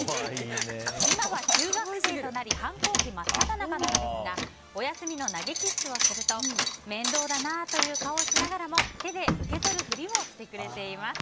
今は中学生となり反抗期真っただ中なのですがおやすみの投げキッスをすると面倒だなという顔をしながらも手で受け取るふりをしてくれています。